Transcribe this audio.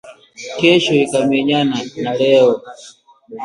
kesho ikamenyana na leo